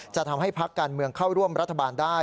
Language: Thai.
จะทำให้พักการเมืองเข้าร่วมรัฐบาลได้